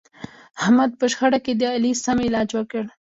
احمد په شخړه کې د علي سم علاج وکړ.